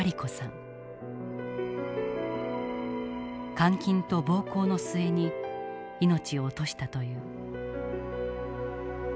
監禁と暴行の末に命を落としたという。